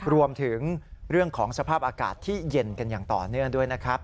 รวมถึงเรื่องของสภาพอากาศที่เย็นกันอย่างต่อเนื่องด้วยนะครับ